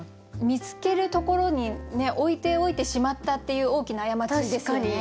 見つけるところに置いておいてしまったっていう大きな過ちですよね。